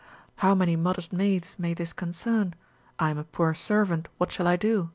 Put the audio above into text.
How many modest maids may this concern, I am a poor servant, what shall I do?